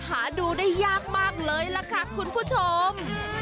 หาดูได้ยากมากเลยล่ะค่ะคุณผู้ชม